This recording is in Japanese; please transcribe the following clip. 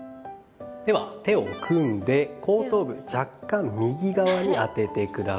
では、手を組んで後頭部若干、右側に当ててください。